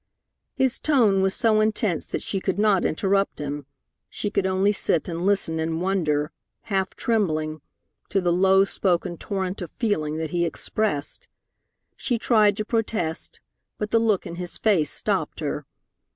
His tone was so intense that she could not interrupt him; she could only sit and listen in wonder, half trembling, to the low spoken torrent of feeling that he expressed. She tried to protest, but the look in his face stopped her.